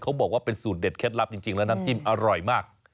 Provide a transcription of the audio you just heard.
บอกว่าเป็นสูตรเด็ดเคล็ดลับจริงแล้วน้ำจิ้มอร่อยมาก